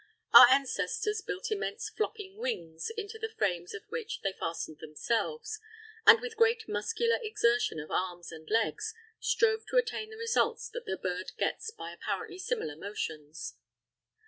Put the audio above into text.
Our ancestors built immense flopping wings, into the frames of which they fastened themselves, and with great muscular exertion of arms and legs strove to attain the results that the bird gets by apparently similar motions.